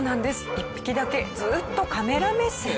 １匹だけずーっとカメラ目線。